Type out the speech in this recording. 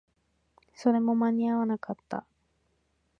それも間に合わなかった